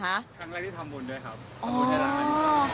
ครั้งแรกที่ทำบุญด้วยครับ